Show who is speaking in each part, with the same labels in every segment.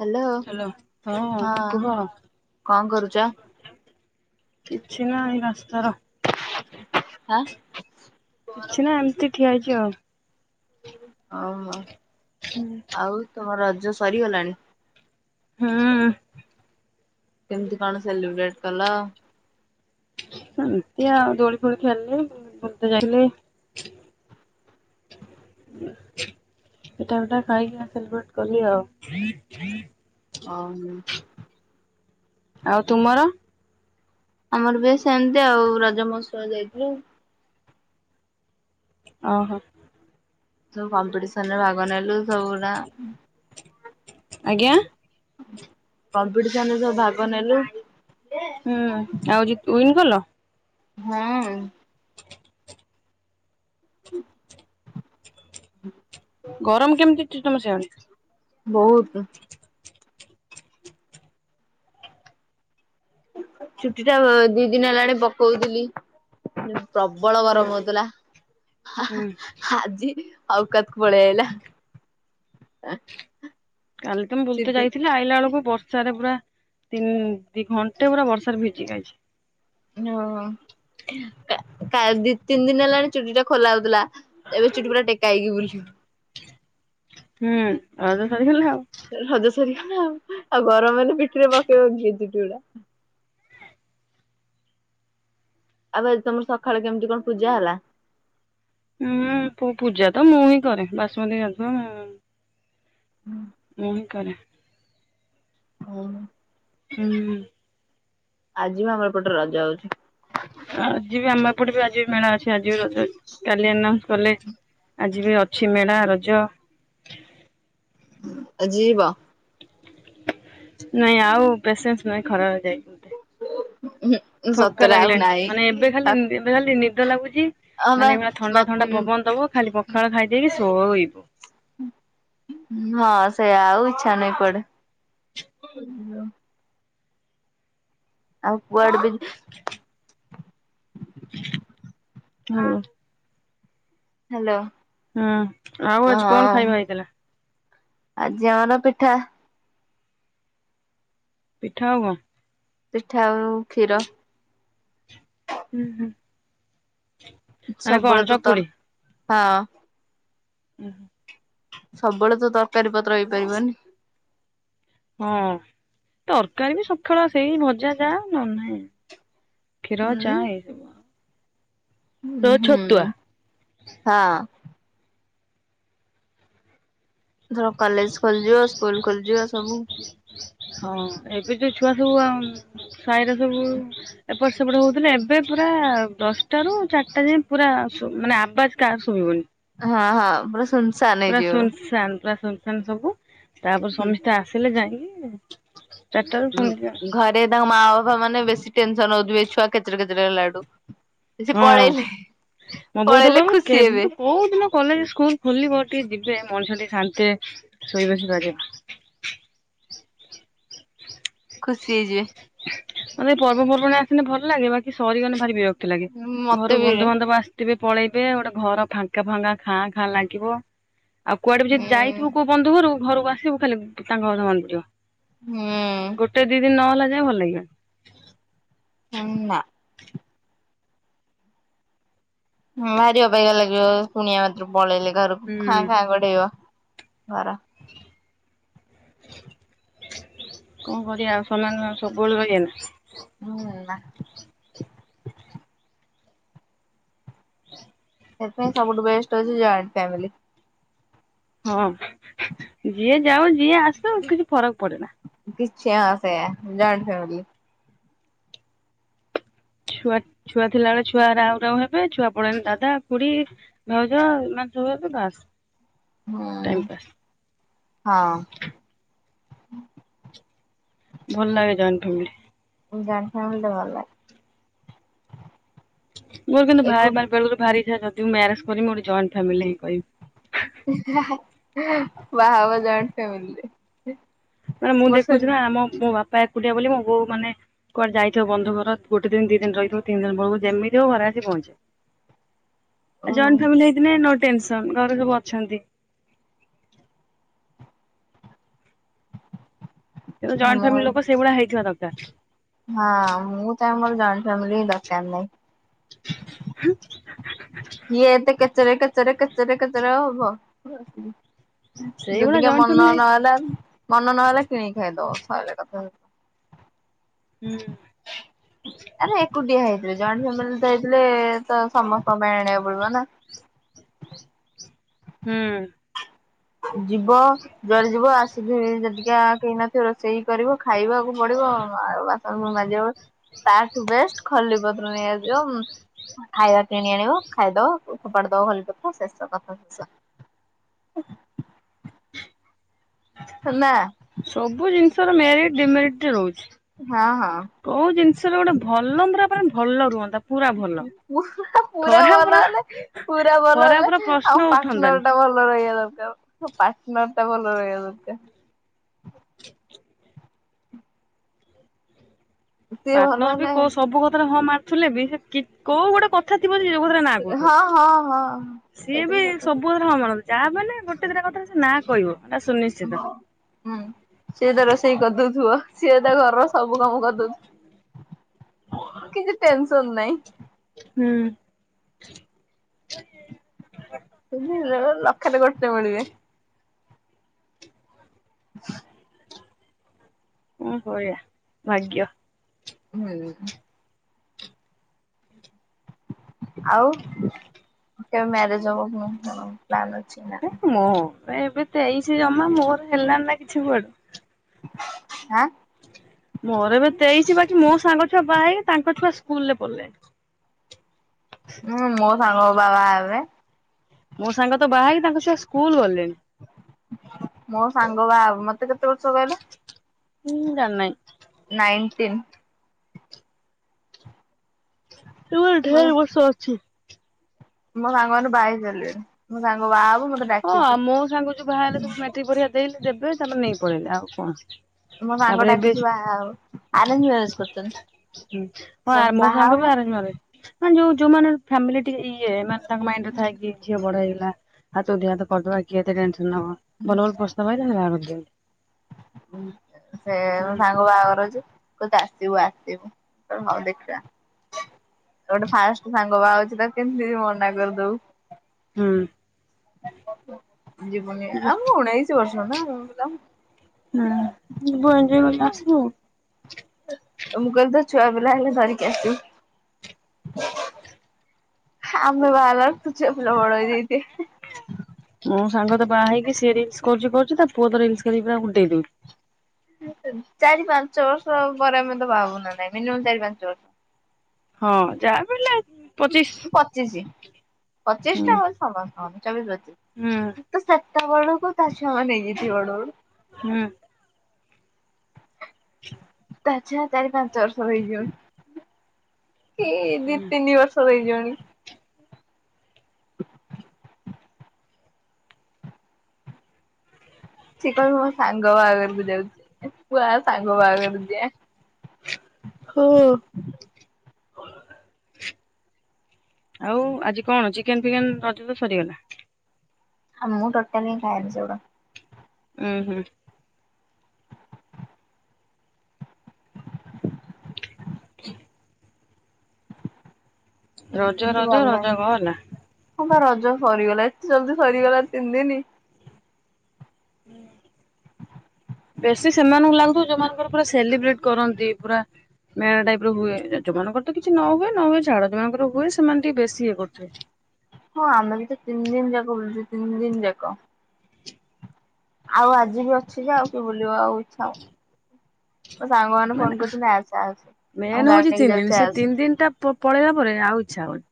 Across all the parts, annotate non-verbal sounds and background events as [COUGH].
Speaker 1: Hello
Speaker 2: hello ହଁ କୁହ। କ'ଣ କରୁଛ? କିଛି ନାଇଁ ରାସ୍ତାର
Speaker 1: [INAUDIBLE] ହାଁ
Speaker 2: କିଛି ନା ଏମତି ଠିଆ ହେଇଚି ଆଉ।
Speaker 1: [UNINTELLIGIBLE]
Speaker 2: ହୁଁ।
Speaker 1: ଆଉ ତମ ରଜ ସରିଗଲାଣି?
Speaker 2: ହୁଁ
Speaker 1: କେମତି କଣ ସେଲିବ୍ରେଟ୍ କଲ?
Speaker 2: ଏମିତି ଆଉ ଦୋଳି ଫୋଳି ଖେଳଲି [UNINTELLIGIBLE] ହ ପିଠା ଫିଟା ଖାଇକି ଆଉ ସେଲିବ୍ରେଟ୍ କଲି ଆଉ।
Speaker 1: ଅ ହୁଁ।
Speaker 2: ଆଉ ତୁମର?
Speaker 1: ଆମର ବି ସେମତି ଆଉ ରଜ ମହୋତ୍ସବ ଯାଇଥିଲୁ।
Speaker 2: ଅ ହ।
Speaker 1: ସବୁ କମ୍ପିଡିସନରେ ଭାଗ ନେଲୁ ସବୁଗୁଡା।
Speaker 2: ଆଜ୍ଞା।
Speaker 1: କମ୍ପିଡିସନରେ ସବୁ ଭାଗ ନେଲୁ।
Speaker 2: ହୁଁ ଆଉ ଜିତ୍ ୱିନ୍ କଲ?
Speaker 1: ହୁଁ। [INAUDIBLE]
Speaker 2: ଗରମ କେମତି ଅଛି ତମ ସିଆଡେ?
Speaker 1: ବୋହୁତ। ଛୁଟିଟା ଅ ଦି ଦିନ ହେଲାଣି ପକଉଥିଲି। ପ୍ରବଳ
Speaker 2: ହୁଁ
Speaker 1: ଗରମ ହଉତୁଲା ହା ହା
Speaker 2: ହୁଁ
Speaker 1: ହାଜି ଅଉକାତକୁ ପଳେଇ ଆଇଲା।
Speaker 2: ଏମତି ମୁଁ ବୁଲତେ
Speaker 1: ଛୁଟି।
Speaker 2: ଯାଇଥି ଲି ଆଇଲା ବେଳୁକୁ ବର୍ଷାରେ ପୁରା ତିନ୍ ଦି ଘଣ୍ଟେ ପୁରା ବର୍ଷାରେ ଭିଜିକି ଆଇଛି।
Speaker 1: ନୋ ଓ ଆ ତା ଦି ତିନ ଦିନ ହେଲାଣି ଚୁଟିଟା ଖୋଲା ହଉଥିଲା ଏବେ ଚୁଟି ପୁରା ଟେକା ହେଇକି ବୁଲିବୁ।
Speaker 2: ହୁଁ ରଜ ସରିଗଲା ଆଉ।
Speaker 1: ହେ ରଜ ସରିଗଲା ଆଉ ଆଉ ଗରମରେ ପିଠିରେ ପକେଇବ କିଏ ଚୁଟିଗୁଡା। ଆବେ ତମର ସଖାଳେ କେମତି କଣ ପୂଜା ହେଲା?
Speaker 2: ହୁଁ ପୂ ପୂଜା ତ ମୁଁ ହିଁ କରେ ବାସୁମତୀ ଗାଧୁଆ। ମୁଁ ହିଁ କରେ।
Speaker 1: ଓହୋ।
Speaker 2: ହୁଁ।
Speaker 1: ଆଜି ବି ଆମ ଏପଟେ ରଜ ହଉଚି।
Speaker 2: ଆଜି ବି ଆମ ଏପଟେ ବି ଆଜି ବି ମେଳା ଅଛି। ଆଜି ବି ରଜ। କାଲି ନ କଲେଜ୍ ଆ ଜି ବି ଅଛି ମେଳା ରଜ।
Speaker 1: ଆଜି ଯିବ?
Speaker 2: ନାଇଁ ଆଉ ପେସେନ୍ସ ନାଇଁ ଖରାରେ ଯାଇ
Speaker 1: [INAUDIBLE]
Speaker 2: ଥକା
Speaker 1: ସତରେ ଆଉ
Speaker 2: ଲାଗିଲାଇଁ
Speaker 1: ନାହିଁ
Speaker 2: ମାନେ ଏବେ ଖାଲି ଉଁ ଏବେ ଖାଲି ନିଦ ଲାଗୁଚି।
Speaker 1: ହଁ ବା
Speaker 2: ମାନେ ଏଇଭଳିଆ ଥଣ୍ଡା
Speaker 1: ମତେ
Speaker 2: ଥଣ୍ଡା
Speaker 1: ବି
Speaker 2: ପବନ ଦବ ଖାଲି ପଖାଳ ଖାଇ ଦେଇକି ଶୋଇବ।
Speaker 1: ହୁଁ ହ ସେଇଆ ଆଉ ଇଚ୍ଛା ନାଇଁ କୁଆଡେ। ଉଁ ଆଉ କୁଆଡେ ବି ବି?
Speaker 2: [INAUDIBLE] Hello
Speaker 1: hello.
Speaker 2: ହୁଁ ଆଉ ଆଜି କଣ
Speaker 1: ହଁ
Speaker 2: ଖାଇବା ହେଇଥେଲା?
Speaker 1: ଆଜି ଆମର ପିଠା।
Speaker 2: ପିଠା ଆଉ କଣ?
Speaker 1: ପିଠା ଆଉ କ୍ଷୀର।
Speaker 2: ହୁଁ ହୁଁ।
Speaker 1: ସବୁବେଳେ ତ
Speaker 2: ଚକୁଳି
Speaker 1: ତର ହଁ।
Speaker 2: ଉଁ ହୁଁ।
Speaker 1: ସବୁବେଳେ ତ ତରକାରୀ ପତ୍ର ହେଇପାରିବନି।
Speaker 2: ହଁ ତରକାରୀ ବି ସଖଳେ ସେଇ ଭଜା ଯା ନହେଲେ ନାଇଁ। କ୍ଷୀର
Speaker 1: ଉଁ
Speaker 2: ଚା ଏଇ
Speaker 1: ହୁଁ ହୁଁ
Speaker 2: ଛତୁଆ।
Speaker 1: ହଁ। ଧର କଲେଜ ଖୋଲିଯିବ ସ୍କୁଲ ଖୋଲିଯିବ ସବୁ।
Speaker 2: ହଁ ଏବେ ଯୋଉ ଛୁଆ ସବୁ ଆଉ ସାହିର ସବୁ ଏପଟ ସେପଟ ହଉଥିଲେ ଏବେ ପୁରା ଦଶଟା ରୁ ଚାରିଟା ଯାଏଁ ପୁରା ମାନେ ଆବାଜ କା ସୁବିବନି
Speaker 1: ହଁ ହଁ ପୁରା ସୁନସାନ
Speaker 2: ପୁରା
Speaker 1: ହେଇଯିବ।
Speaker 2: ସୁନସାନ ପୁରା ସୁନ ସବୁ ତାପରେ ସମସ୍ତେ ଆସିଲେ ଯାଇକି ଚାରିଟାରୁ ପୁଣି
Speaker 1: ଉଁ ଘରେ ତାଙ୍କ ମା ବାପା ମାନେ ବେଶୀ ଟେନସନ ହଉଥିବେ ଏ ଛୁଆ କେଚରେ କଚେ ହେଲାଠୁ। ସେ
Speaker 2: ହଁ
Speaker 1: ପଳେଇଲେ
Speaker 2: ମୋ ବୋଉ ତ
Speaker 1: ପଳେଇଲେ
Speaker 2: କହିବ
Speaker 1: ଖୁସି ହେବେ।
Speaker 2: କେବେ କୋଉ ଦିନ କଲେଜ ସ୍କୁଲ ଖୋଲିବ ଟିକେ ଯିବେ ମଣିଷ ଟିକେ ଶାନ୍ତି ଶୋଇବସି ପାରିବ।
Speaker 1: ଖୁସି ହେଇଯିବେ।
Speaker 2: ମତେ ପର୍ବପର୍ବାଣୀ ଆସିଲେ ଭଲ ଲାଗେ ବାକି ସରଗଲେେ ଭାରି ବିରକ୍ତି ଲାଗେ
Speaker 1: ମତେ
Speaker 2: ଘରୁ
Speaker 1: ବି ରେ
Speaker 2: ବନ୍ଧୁବାନ୍ଧବ ଆସି ସିବେ ପଳେଇବେ ଗୋଟେ ଘର ଫାଙ୍କା ଫାଙ୍କା ଖାଁ ଖାଁ ଲାଗିବ। ଆଉ କୁଆଡେ ବି ଯଦି
Speaker 1: ହୁଁ
Speaker 2: ଯାଇଥିବୁ କୋଉ ବନ୍ଧୁ ଘରୁ ଘରକୁ ଆସିବୁ ଖାଲି ତାଙ୍କ କଥା ମନ ପଡିବ।
Speaker 1: ହୁଁ।
Speaker 2: ଗୋଟେ ଦି ଦିନ ନହେଲା ଯାଏ ଭଲ ଲାଗିବନି।
Speaker 1: ହୁଁ ନା। ହୁଁ ବାରିଅବାଗିଆ ଲାଗିବ ଶୁଣିଆ ମନ୍ତ୍ର ପଳେଇଲେ ଘରକୁ ଖାଁ
Speaker 2: ହୁଁ।
Speaker 1: ଖାଁ ଗଡେଇବ ଘର।
Speaker 2: [INAUDIBLE] କଣ କରିବା ଆଉ ସମାନେ ସବୁବେଳେ ରହିବେ ନା।
Speaker 1: ହୁଁ ନା। ସେଥିପାଇଁ ସବୁଠୁ ବଷ୍ଟ ଅଛି ଜଏଣ୍ଟ ଫ୍ୟାମିଲି।
Speaker 2: ହଁ ଯିଏ ଯାଉ ଯିଏ ଆସୁ କିଛି ଫରକ ପଡେନା।
Speaker 1: କିଛି ସେ ଜଏଣ୍ଟ ଫ୍ୟାମିଲି।
Speaker 2: ଛୁଆ ଛୁଆ ଥିଲା ବେଳେ ଛୁଆ ରାଉ ରାଉ ହେବେ ଛୁଆ ପଲେଇଲେ ଦାଦା ଖୁଡ଼ି ଭାଉଜ [UNINTELLIGIBLE]
Speaker 1: ହୁଁ
Speaker 2: ଟାଇମ ପାସ୍।
Speaker 1: ହଁ।
Speaker 2: ଭଲ ଲାଗେ ଯଏଣ୍ଟ ଫ୍ୟାମିଲି।
Speaker 1: [UNINTELLIGIBLE]
Speaker 2: ମୋର କିନ୍ତୁ
Speaker 1: ଏକୁ
Speaker 2: ଭାଇ ମାର ବେଳର ଭାରି ଥା ଯି ମୁଁ ମ୍ୟାରେଜ କରିବି ଗୋଟେ ଜଏଣ୍ଟ ଫାମିଲି କହିବି।
Speaker 1: [UNINTELLIGIBLE] ବାହା ହବ ଜଏଣ୍ଟ ଫ୍ୟାମିଲି ରେ।
Speaker 2: ମାନେ ମୁଁ ଦେଖୁଛି ନା ଆମ ମୋ ବାପା ଏକୁଟିଆ ବୋଲି ମୋ ବୋଉ ମାନେ କୁଆଡ ଯାଇଥିବ ବନ୍ଧୁଘର ଗୋଟ ଦି ଦିନ ରହିଥିବ ତିନି ଦିନ ବଳକୁ ଯେମତିବ ଘରେ ଆସି ପହଞ୍ଚେ।
Speaker 1: [INAUDIBLE]
Speaker 2: ଜଏଣ୍ଟ ଫାମିଲି ହେଇଥିଲେ ନୋ ଟେନସନ ଘରେ ସବୁ ଅଛନ୍ତି। କିନ୍ତୁ ଜଏଣ୍ଟ ଫ୍ୟାମିଲି
Speaker 1: ମୋର
Speaker 2: ଲୋକ ସେଇଭଳିଆ ହେଇଥିବା ଦରକାର।
Speaker 1: ହଁ ମୁଁ ତ ମର ଜାଇଣ୍ଟ ଫ୍ୟମିଲି ଦରକାର ନାହିଁ।
Speaker 2: ହୁଁ।
Speaker 1: ଇଏ ଏତେ କଚେରେ କେଚେରେ କେଚେରେ କେଚେରେ ଆଉ ହବ।
Speaker 2: ସେଇଭଳିଆ
Speaker 1: ଯଦି କା
Speaker 2: ଜଏଣ୍ଟ
Speaker 1: ମନ
Speaker 2: ଫ୍ୟାମିଲି
Speaker 1: ନ ହେଲା ମନ ନହଲେ କିଣିକି ଖାଇଦବ ସଇଲା କଥା।
Speaker 2: ହୁଁ
Speaker 1: ଆରେ ଏକୁଟିଆ ହେଇଥିଲେ ଜଏଣ୍ଟ ଫ୍ୟାମିଲି ତ ହେଇଥିଲେ ତ ସମସ୍ତ ମେ ଆଣିବାକୁ ପଡିବ ନା।
Speaker 2: ହୁଁ।
Speaker 1: ଯିବ ଯୁଆଡେ ଯିବ ଆସିକିି ଯଦିକା କେହି ନ ରୋଷେଇ କରିବ ଖାଇବାକୁ ପଡିବ ଆଉ ବାସନ ପୁଣି ମାଜିବ ତାଠୁ ବେଷ୍ଟ ଖଲି ପତ୍ର ନିଆଯିବ। ଖାଇବା କିଣି ଆଣିବ ଖାଇଦବ ଫୋପାଡି ଦବ ଖଲି ପତ୍ର ଶେଷ କଥା ଶେଷ। ନା।
Speaker 2: ସବୁ ଜିନିଷ ର ମେରିଟ୍ ଡିମେରିଟା ରହୁଛି।
Speaker 1: ହଁ ହଁ
Speaker 2: କୋଉ ଜିନିଷରେ ଗୋଟେ ଭଲ ମ୍ଫରା ପରା ଭଲ ରୁହନ୍ତା। ପୁରା ଭଲ।
Speaker 1: ପୁରା
Speaker 2: ଖରାପର
Speaker 1: ଭଲହେଲେ। ପୁରା ଭଲ
Speaker 2: ଖରାପର
Speaker 1: ହେଲେ
Speaker 2: ପ୍ରଶ୍ନ
Speaker 1: ଆଉ
Speaker 2: ଉଠନ୍ତାନି।
Speaker 1: ପାଟନର ଟା ଭଲ ରହିବା ଦରକାର। ହ ପାାର୍ଟନର ଟା ଭଲ ରହିବା ଦରକାର। ସିଏ ଭଲ
Speaker 2: ପାର୍ଟନର ବି
Speaker 1: ହେଲେ
Speaker 2: କୋଉ ସବୁ କଥାରେ ହଁ ମାରୁଥିଲେ ବି କି ସେ କୋଉ ଗୋଟେ କ କଥା ଥିବ ଯୋଉ କଥାରେ ନା
Speaker 1: ହଁ
Speaker 2: କହୁଥିବ।
Speaker 1: ହଁ ହଁ।
Speaker 2: ସିଏ
Speaker 1: ସେଇଟା
Speaker 2: ବି
Speaker 1: ସତ
Speaker 2: ସବୁ କଥାରେ ହ ମାରନ୍ତି ଯାହା ମାନେ ଗୋଟେ ଥର କଥା ସେ ନା କହିବ ତା ସୁନିଶ୍ଚିତ।
Speaker 1: ହୁଁ ସିଏ ତ ରୋଷେଇ କରିଦଉଥିବ ସିଏ ତା ଘରର ସବୁ କାମ କରିଦଉଥିବ। କିଛି ଟେନସନ ନାଇଁ।
Speaker 2: ହୁଁ।
Speaker 1: ଲକ୍ଷରେ ଗୋଟେ ମିଳିବେ। [INAUDIBLE]
Speaker 2: କଣ କରିଆ ଭାଗ୍ୟ।
Speaker 1: ହୁଁ। ଆଉ କେବେ ମ୍ୟାରେଜ ହବ କୁହ ପ୍ଲାନ ଅଛି ନା।
Speaker 2: ମୁଁ ଏବେ ତେଇଶି ଜମା ମୋର ହେଲଣି ନା କିଛି କୁଆଡୁ।
Speaker 1: ଆଁ।
Speaker 2: ମୋର ଏବେ ତେଇଶି ବାକି ମୋ ସାଙ୍ଗ ଛୁଆ ବାହା ହେ ତାଙ୍କ ଛୁଆ ସ୍କୁଲ ରେ ପଢ଼ିଲେନି।
Speaker 1: ହୁଁ ମୋ ସାଙ୍ଗ ବା ବାହା ହେବେ।
Speaker 2: ମୋ ସାଙ୍ଗ ତ ବାହା ହେକି ତାଙ୍କ ଛୁଆ ସ୍କୁଲ ଗଲେଣି।
Speaker 1: ମୋ ସାଙ୍ଗ ବାହା ହବ ମତେ କେତେ ବର୍ଷ କହିଲ।
Speaker 2: ହୁଁ ଜାଣିନି।
Speaker 1: ନାଇନଟିନ୍।
Speaker 2: ଏ ଢେର ବର୍ଷ ଅଛି।
Speaker 1: ମୋ ସାଙ୍ଗ ମାନେ ବହାହେଇସରିଲେନି ମୋ ସାଙ୍ଗ ବାହ
Speaker 2: ହଁ ଆଉ ମୋ ସାଙ୍ଗ ଯୋ ବାହା ହେଲେ ସବୁ ମେଟ୍ରିକ ପରୀକ୍ଷା ଦେଇତେ ଦେବେ ତାପରେ ନେଇକି ପଳେଇଲେ ଆଉ କଣ।
Speaker 1: ମୋ ସାଙ୍ଗ
Speaker 2: ତାପରେ ଏବେ
Speaker 1: ଡାକିଛି ବାହାକୁ ଆରେଞ୍ଜ ମ୍ୟାରେଜ କରୁଛନ୍ତି।
Speaker 2: ହୁଁ
Speaker 1: ସେ
Speaker 2: ହଁ ମୋ
Speaker 1: ବାହା
Speaker 2: ସାଙ୍ଗ
Speaker 1: ହବ।
Speaker 2: ବି ଆରେଞଜ ମ୍ୟାରେଜ। ମାନେ ଯୋଉ ଯୋଉ ମାନ ଫ୍ୟାମିଲି ଟିକେ ଇଏ ମାନେ ତାଙ୍କ ମାଇଣ୍ଡରେ ଥାଏ କି ଝିଅ ବଡ ହେଇଗଲା। ହାତ କୁ ଦିହତ କରିଦବା କିଏତେ ଟେନସନ ନବ ଭଲ ଭଲ ପସ୍ତାବ ଆଇଲା ବାହା କରିଦିଅ।
Speaker 1: ସେ ସାଙ୍ଗ ବାହାଘରଛି। କହୁଚି ଆସିବୁ ଆସିବୁ କହି ହଉ ଦେଖିବା। ଗୋଟେ ଫାଷ୍ଟ ସାଙ୍ଗ ବା ଅଉଛି ତା କେମିତି ମନା କରିଦଉ।
Speaker 2: ହୁଁ।
Speaker 1: ଯିବୁନି ଆଉ ମୁ ଉଣେଇଶି ବର୍ଷ ନା
Speaker 2: ହୁଁ ଯିବୁ ଏଞଜୟ କରି ଆସିବୁ ଆଉ।
Speaker 1: ମୁଁ କାଳେ ତ ଛୁଆ ପିଲା ହେଲେ ଧରିକି ଆସିବ। ଆମେ ବାହା ହେଲା ବେଳକୁ ତୋ ଛୁଆ ପିଲା ବଡ ହେଇଯାଇଥିବେ।
Speaker 2: ମୁଁ ସାଙ୍ଗ ତ ବାହା ହେକି ସିଏ ରିଲସ କରୁଛି କରୁଛି ତା ପୁଅ ତ ରିଲସ କରିକ ପୁରା ଉଡେଇଦଉଛି।
Speaker 1: ଚାରି ପାଞ୍ଚ ବର୍ଷ ପରେ ଆମେ ତ ଭାବୁନା ନାଇଁ ମିନିମମ୍ ଚାରି ପାଞ୍ଚ ବର୍ଷ।
Speaker 2: ହଁ ଯାହା ବଲେ ପଚିଶ।
Speaker 1: ପଚିଶ ପଚିଶ
Speaker 2: ହୁଁ
Speaker 1: ଟା ହଉ ସମସ୍ତଙ୍କ। ଚବି
Speaker 2: ହୁଁ
Speaker 1: ମୁ ତ ସେତେବେଳକୁ ତା ଛଆ ହେଇଯାଇଥିବ ବଡ ବଡୁ।
Speaker 2: ହୁଁ।
Speaker 1: ତାଛା ଚାରି ପାଞ୍ଚ ବର୍ଷର ହେଇଯିବ ଏ ଦି
Speaker 2: ହୁଁ।
Speaker 1: ତିନି ବର୍ଷ। ସବୁ ହେଇ ଯିବନି। [INAUDIBLE] ସେ କହିବ ମୋ ସାଙ୍ଗ ବାହାଘରକୁ ଯାଉଛି ପୁଅ ଆ ସାଙ୍ଗ ବାହାଘରକୁ ଯିବା।
Speaker 2: ଖୋ। ଆଉ ଆଜି କଣ ଚିକେନ ଫିକେନ ରଜ ତ ସରିଗଲା।
Speaker 1: ଆଁ ମୁଁ ଟୋଟଲି ଖାଏନି ସେଗୁଡ଼ାକ।
Speaker 2: ଉୁଁ ହୁଁ। ହ। ରଜ
Speaker 1: ମତେ ଭଲ
Speaker 2: ରଜ
Speaker 1: ଲାଗେନି।
Speaker 2: ରଜ ଗଲା।
Speaker 1: ହଁ ବା ରଜ ସରିଗଲା ଏତେ ଜଲଦି ସରିଗଲା ତିନି ଦିନ।
Speaker 2: ହୁଁ। ବେଶୀ ସେମାନଙ୍କୁ ଲାଗୁ ଯୋଉମାନଙ୍କର ପୁରା ସେଲିବ୍ରେଟ କରନ୍ତି ପୁରା। ମେଳା ଟାଇପ ର ହୁଏ ଯୋଉମାନଙ୍କର ତ କିଛି ନ ହୁଏ ନ ହୁଏ ଝାଡ ଯୋଉମାଙ୍କର ହୁଏ ସେମାନେ ଟିକେ ବେଶୀ ଇଏ କରୁଥିବେ।
Speaker 1: ହଁ ଆମେ ବି ତ ତିନି ଦିନ ଯାକ ବୁଲୁଛୁ ତିନି ଦିନ ଯାକ। ଆଉ ଆଜି ବି ଅଛି ଯେ ଆଉ କି ବୁଲିବା ଆଉ ଇଚ୍ଛା ହଉନି। ମୋ ସାଙ୍ଗମାନେ ଫୋନ
Speaker 2: ମାନେ
Speaker 1: କରୁଛନ୍ତି ଆସେ ଆସେ। ଆମ
Speaker 2: ମେନ୍
Speaker 1: ଗାଡି
Speaker 2: ହଉଛି
Speaker 1: ନେଇକି
Speaker 2: ତିନି ଦିନ
Speaker 1: ଯାଉଛେ
Speaker 2: ସେ
Speaker 1: ଆସେ
Speaker 2: ତିନି ଦିନ ଟା ପଳେଇବା ପରେ ଆଉ ଇଚ୍ଛା ହଉଛି।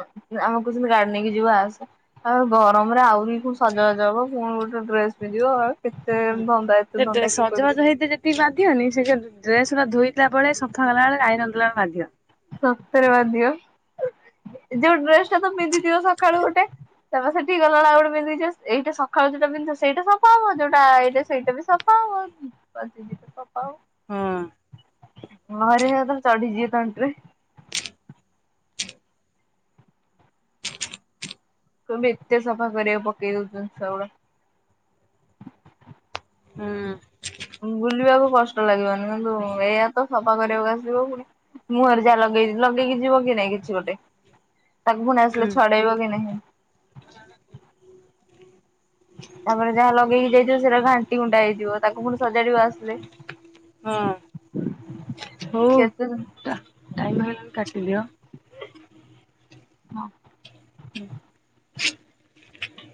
Speaker 1: ଆମକୁ କହୁଛନ୍ତି ଗାଡ଼ି ନେଇକି ଯିବ ଆସେ। ଆଉ ଗରମ ରେ ଆହୁରି କି ସଜବାଜ ହବ ପୁଣି ଗୋଟେ ଡ୍ରେସ ପିନ୍ଧିବ ଆଉ। କେତେ ଧନ୍ଦା ଏତେ ଧନ୍ଦା କିଏ
Speaker 2: ସଜବାଜ
Speaker 1: କରିବ।
Speaker 2: ହେଇତେ ସେ ବାଧିବନି ସେ ଡ୍ରେସଟା ଧୋଇଲା ବେଳେ ସଫକଲା ବେଳେ ଆଇରନ୍ ଦେଲା ବେଳେ ବାଧିବ।
Speaker 1: ସତରେ ବାନ୍ଧିବ ଯୋଉ ଡ୍ରେସ ଟା ତ ପିନ୍ଧିଥିବ ସକାଳୁ ଗୋଟେ ତାପରେ ସେଠି ଗଲା ଆଳକୁ ଆଉ ଗୋଟେ ପିନ୍ଧିକି ଯିବ ଏଇଟା ସକାଳୁ ଯୋଉଟା ପିନ୍ଧିବ ସେଇଟା ସଫା ହବ ଯୋଉଟା ଏଇଟା ସେଇଟା ବି ସଫ ସଫା ହବ [UNINTELLIGIBLE]
Speaker 2: ହଁ
Speaker 1: ହଉ ଘରେ ଏଥିର ଚଢିଯିବେ ତଣ୍ଟିରେ। ତମେ ଏତେ ସଫା କରିବାକୁ ପକେଇ ଦଉଛନ୍ତି ସବୁବେଳେ।
Speaker 2: ହୁଁ।
Speaker 1: ବୁଲିବାକୁ କଷ୍ଟ ଲାଗିବନି କିନ୍ତୁ ଏଇଆ ତ ସଫା କରିବାକୁ ଆସିବ ପୁଣି ମୁହଁରେ ଯାହା ଲଗେଇ ଲଗେଇକି ଯିବ କି ନାଇଁ କିଛି ଗୋଟେ। ତାକୁ ପୁଣି
Speaker 2: ହୁଁ
Speaker 1: ଆସିଲେ ଛଡେଇବ କି ନାହିଁ। ତାପରେ ଯାହା ଲଗେଇକି ଯାଇଥିବ ସେଟା ଘାଣ୍ଟି ଗୁଣ୍ଟା ହେଇଥିବ ତାକୁ ପୁଣି ସଜାଡିବ ଆସିଲେ।
Speaker 2: ହୁଁ।
Speaker 1: କେତେ
Speaker 2: ଟାଇମ କାଟିଦିଅ।
Speaker 1: ହଁ।